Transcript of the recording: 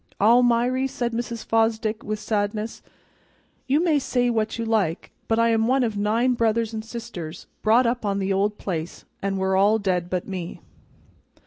"Almiry," said Mrs. Fosdick, with sadness, "you may say what you like, but I am one of nine brothers and sisters brought up on the old place, and we're all dead but me."